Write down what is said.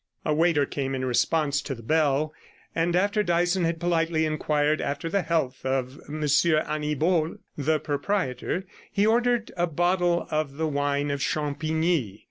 17 A waiter came in response to the bell; and after Dyson had politely inquired after the health of M. Annibault, the proprietor, he ordered a bottle of the wine of Champigny.